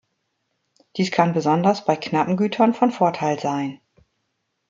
Dies kann besonders bei knappen Gütern von Vorteil sein.